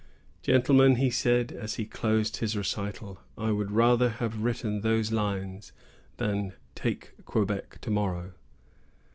"Gentlemen," he said, as he closed his recital, "I would rather have written those lines than take Quebec tomorrow."